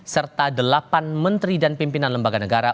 serta delapan menteri dan pimpinan lembaga negara